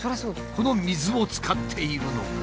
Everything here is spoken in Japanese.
この水を使っているのが。